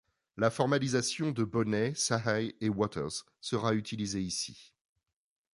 La formalisation de Boneh, Sahai et Waters sera utilisée ici.